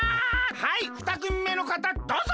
はい２くみめのかたどうぞ！